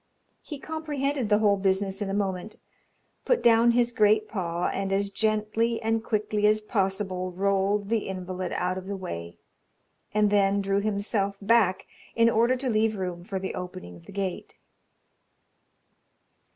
He comprehended the whole business in a moment put down his great paw, and as gently and quickly as possible rolled the invalid out of the way, and then drew himself back in order to leave room for the opening of the gate.